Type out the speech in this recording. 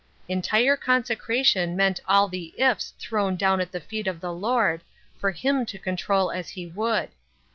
Entire consecration meant all the ifs thrown down at the feet of the Lord, for him to control as he would.